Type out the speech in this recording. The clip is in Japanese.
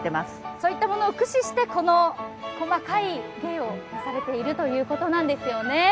そういったものを駆使して細かい線を重ねているということなんですよね。